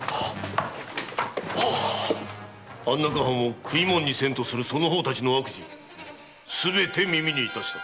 安中藩を食い物にせんとするその方たちの悪事すべて耳にいたした。